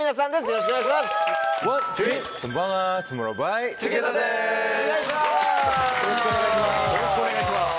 よろしくお願いします！